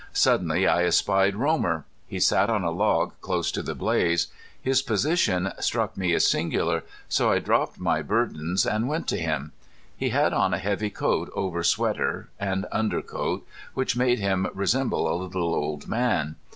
Suddenly I espied Romer. He sat on a log close to the blaze. His position struck me as singular, so I dropped my burdens and went to him. He had on a heavy coat over sweater and under coat, which made him resemble a little old man.